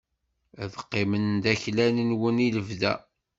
Ad qqimen d aklan-nwen i lebda